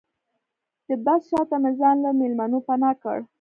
د بس شاته مې ځان له مېلمنو پناه کړ.